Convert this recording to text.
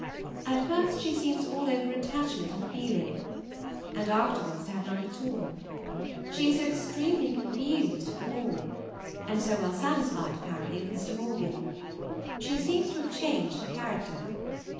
At first she seems all over attachment and feeling, and afterwards to have none at all; she is so extremely confused at the ball, and so well satisfied apparently with Mr. Morgan. She seems to have changed her character.